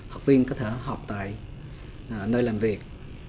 học viên có thể học tại nơi làm việc